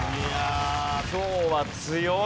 今日は強い。